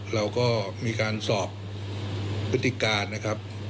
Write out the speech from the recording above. เราก็มีการสอบพฤติการนะครับ